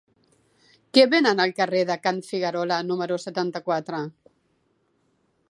Què venen al carrer de Can Figuerola número setanta-quatre?